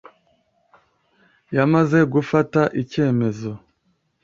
yamaze gufata icyemezo.